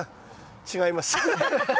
違います。